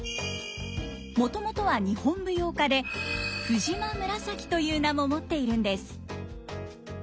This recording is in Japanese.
もともとは日本舞踊家で藤間紫という名も持っているんです。